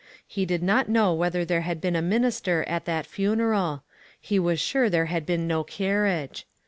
He did not know whether there had been a minister at that funeral; he was sure there had been no carriage.